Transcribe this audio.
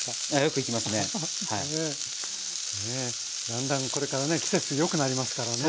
だんだんこれからね季節よくなりますからね。